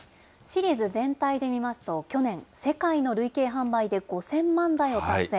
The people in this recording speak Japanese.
シリーズ全体で見ますと、去年、世界の累計販売で５０００万台を達成。